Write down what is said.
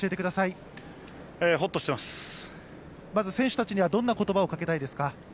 ◆まず選手たちには、どんな言葉をかけたいですか。